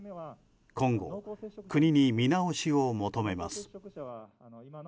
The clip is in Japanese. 今後、国に見直しを求めます。